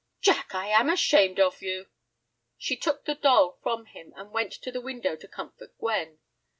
"Jack, I am ashamed of you." She took the doll from him, and went to the window to comfort Gwen.